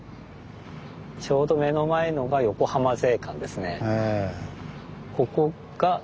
ちょうど目の前のが横浜税関ですね。